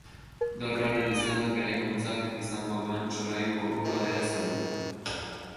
Dorrearen izenak, eraikuntzak izango duen solairu kopurua adierazten du.